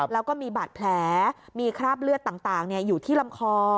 แล้วก็มีบาดแผลมีคราบเลือดต่างอยู่ที่ลำคอ